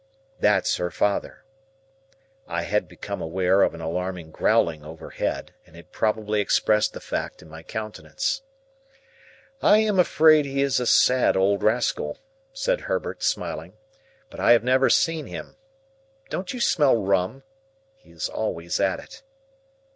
That's her father." I had become aware of an alarming growling overhead, and had probably expressed the fact in my countenance. "I am afraid he is a sad old rascal," said Herbert, smiling, "but I have never seen him. Don't you smell rum? He is always at it."